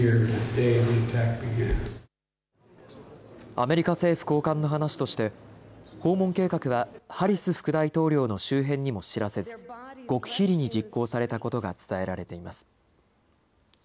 アメリカ政府高官の話として訪問計画はハリス副大統領の周辺にも知らせず極秘裏に実行されたことが伝えられています。